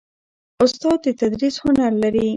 استاد د تدریس هنر لري.